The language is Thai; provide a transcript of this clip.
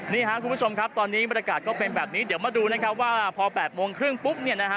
นี่ครับคุณผู้ชมตอนนี้บรรกาดเป็นแบบนี้เดี๋ยวมาดุว่าพอ๘มันครึ่งปุ๊บเนี่ยนะฮะ